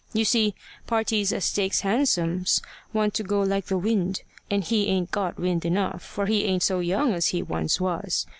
You see parties as takes Hansoms wants to go like the wind, and he ain't got wind enough, for he ain't so young as he once was.